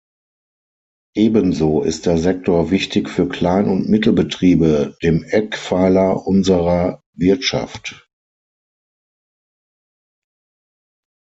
Ebenso ist der Sektor wichtig für Klein- und Mittelbetriebe, dem Eckpfeiler unserer Wirtschaft.